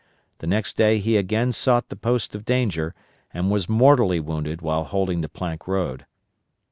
The next day he again sought the post of danger and was mortally wounded while holding the Plank Road.